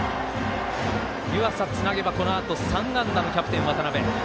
湯淺、つなげばこのあと３安打のキャプテン、渡邊。